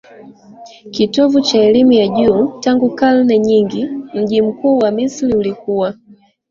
kitovu cha elimu ya juu tangu karne nyingi Mji mkuu wa Misri ulikuwa